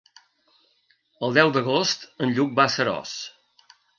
El deu d'agost en Lluc va a Seròs.